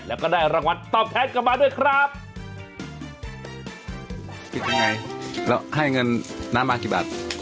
แล้วก็ได้รางวัลตอบแทนกลับมาด้วยครับ